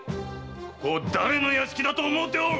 ここを誰の屋敷だと思うておる！